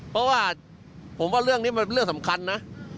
เพราะว่าผมว่าเรื่องนี้มันเป็นเรื่องสำคัญนะ